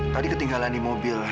tadi ketinggalan di mobil